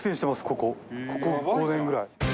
ここここ５年ぐらい。